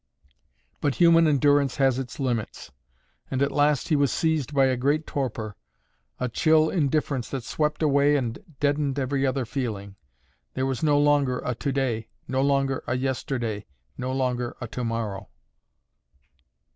But human endurance has its limits, and at last he was seized by a great torpor, a chill indifference that swept away and deadened every other feeling. There was no longer a To day, no longer a Yesterday, no longer a To morrow.